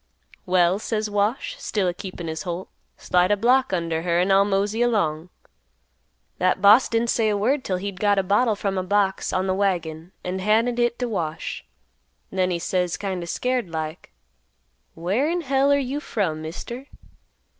'Well,' says Wash, still a keepin' his holt; slide a block under her an' I'll mosey along! "That boss didn't say a word 'till he'd got a bottle from a box on th' wagon an' handed, hit t' Wash; then he says kind o' scared like, 'Where in hell are you from, Mister?